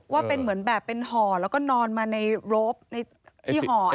ว่าเป็นเหมือนแบบเป็นห่อแล้วก็นอนมาในโรปในที่ห่อ